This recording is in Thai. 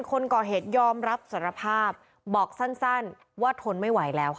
คนก่อเหตุยอมรับสารภาพบอกสั้นว่าทนไม่ไหวแล้วค่ะ